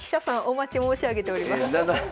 お待ち申し上げております。